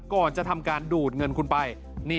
ก่อนจะทำการดูดเงินคุณไป